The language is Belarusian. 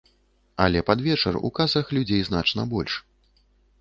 Але пад вечар у касах людзей значна больш.